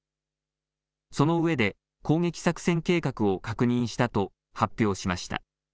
そのうえで攻撃作戦計画を確認したと発表しました。